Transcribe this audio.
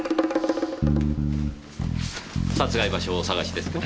殺害場所をお探しですか？